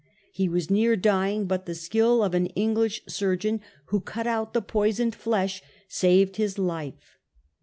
He was near dying, but the skill of ^■^' an English surgeon, who cut out the poisoned flesh, saved his life.